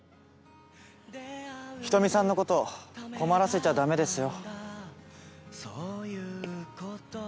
人見さんのこと困らせちゃダメですよ